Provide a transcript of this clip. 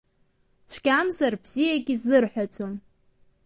Цәгьамзар бзиагьы изырҳәаӡом.